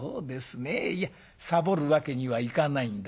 ねえいやさぼるわけにはいかないんだ。